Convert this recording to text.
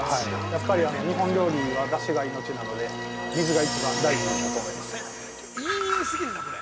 やっぱり日本料理はだしが命なので、水が一番大事だと思います。